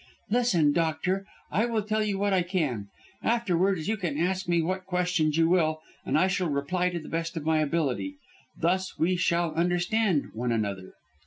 "Listen, doctor! I will tell you what I can. Afterwards you can ask me what questions you will, and I shall reply to the best of my ability. Thus we shall understand one another."